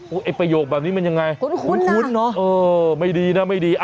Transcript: ไอ้ประโยคแบบนี้มันยังไงคุ้นเนอะเออไม่ดีนะไม่ดี